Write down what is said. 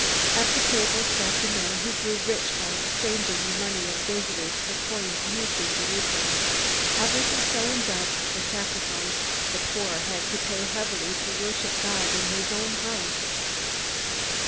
At tables sat the men who grew rich by exchanging the money of visitors for coins used in Jerusalem. Others were selling doves for sacrifice. The poor had to pay heavily to worship God in his own house.